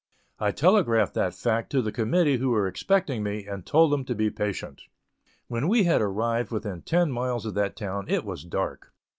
I telegraphed that fact to the committee who were expecting me, and told them to be patient. When we had arrived within ten miles of that town it was dark.